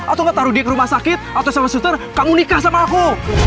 atau ngetaruh dia ke rumah sakit atau sama suester kamu nikah sama aku